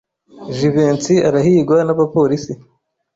Jivency arahigwa n'abapolisi.